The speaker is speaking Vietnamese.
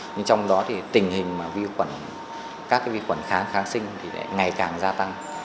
nhưng trong đó tình hình các vi khuẩn kháng kháng sinh ngày càng gia tăng